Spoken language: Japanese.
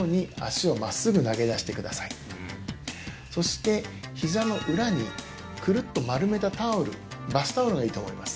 まずそしてひざの裏にくるっと丸めたタオルバスタオルがいいと思います